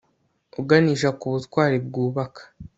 uganisha ku butwari bwubaka